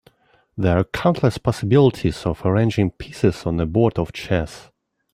There are countless possibilities of arranging pieces on a board of chess.